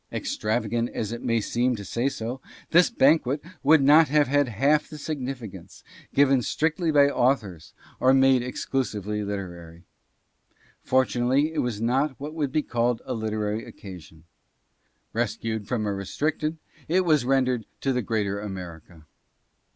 Extravagant as it may seem to say so, this banquet would not have had half the significance, given strictly by authors, or made exclusively literary. Fortunately, it was not what would be called a literary occasion. Rescued from a restricted, it was rendered to the greater America.